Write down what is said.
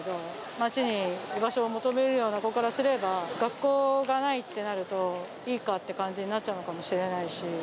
街に居場所を求めるような子からすれば、学校がないってなると、いいかって感じになっちゃうのかもしれないし。